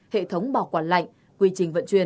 hệ thống bảo quản lạnh quy trình vận chuyển